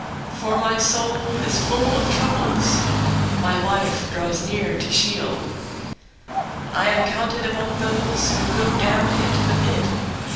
088:003 For my soul is full of troubles. My life draws near to Sheol. 088:004 I am counted among those who go down into the pit.